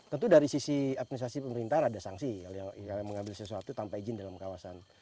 tentu dari sisi administrasi pemerintahan ada sanksi mengambil sesuatu tanpa izin dalam kawasan